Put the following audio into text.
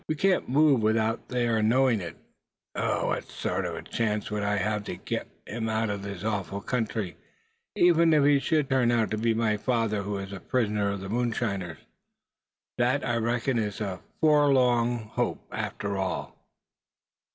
We can't move without they're knowing it. Oh! what sort of chance would I have to get him out of this awful country, even if it should turn out to be my father who is the prisoner of the moonshiners? Thad, I reckon it's a forlorn hope after all."